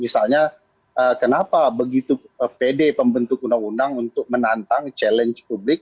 misalnya kenapa begitu pede pembentuk undang undang untuk menantang challenge publik